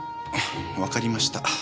わかりました。